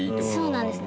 そうなんです。